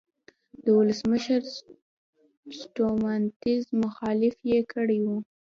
د ولسمشر سټیونز مخالفت یې کړی و.